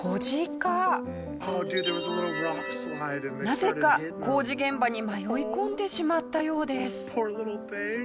なぜか工事現場に迷い込んでしまったようです。